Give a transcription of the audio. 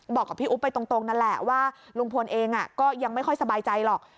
บอกกับพี่อุ๊บไปตรงนั่นแหละว่าลุงพลเองก็ยังไม่ค่อยสบายใจหรอก